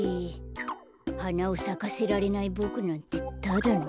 はなをさかせられないボクなんてただのカッパだよ。